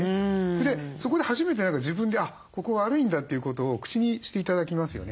それでそこで初めて自分で「ここが悪いんだ」ということを口にして頂きますよね。